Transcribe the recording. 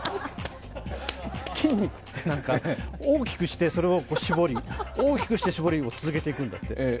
筋肉って大きくして絞り、大きくして絞りを続けていくんだって。